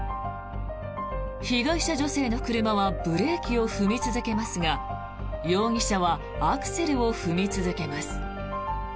被害者女性の車はブレーキを踏み続けますが容疑者はアクセルを踏み続けます。